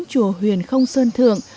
chùa huyền không sơn thượng